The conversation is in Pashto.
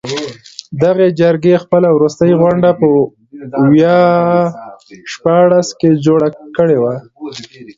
دغې جرګې خپله وروستۍ غونډه په ویا شپاړس کې جوړه کړې وه.